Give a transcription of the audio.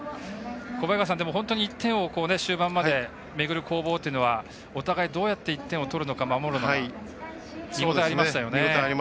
小早川さん、本当に１点を終盤までめぐる攻防っていうのはお互いどうやって１点を取るのか守るのかっていう見応えありましたよね。